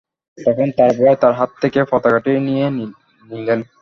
তখন তার ভাই তার হাত থেকে পতাকাটি নিয়ে নিলেন।